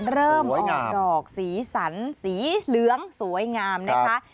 เริ่มออกดอกสีสันสีเหลืองสวยงามนะคะ